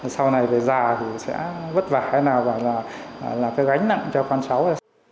sau này về già thì sẽ vất vả hay nào và là cái gánh nặng cho con cháu